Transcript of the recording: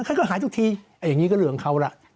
ใครก็หายทุกทีอย่างนี้ก็เหลืองเขาล่ะ